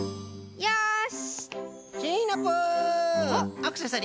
よし！